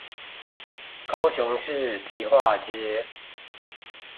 高雄市迪化街